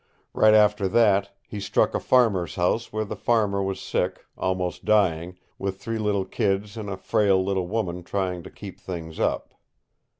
Right after that he struck a farmer's house where the farmer was sick, almost dying, with three little kids and a frail little woman trying to keep things up.